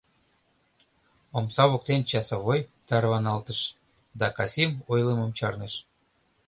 — Омса воктен часовой тарваналтыш да Касим ойлымым чарныш.